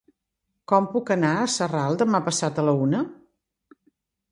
Com puc anar a Sarral demà passat a la una?